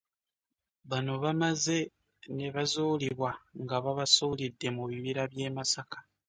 Bano bamaze ne bazuulibwa nga babasudde mu bibira by'e Masaka.